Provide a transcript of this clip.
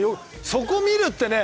そこを見るってね